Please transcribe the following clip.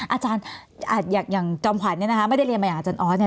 อาจารย์อย่างจอมขวัญเนี่ยนะคะไม่ได้เรียนมาอย่างอาจารย์ออสเนี่ย